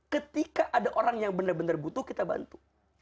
ketika ada orang yang bener bener butuh kita bantu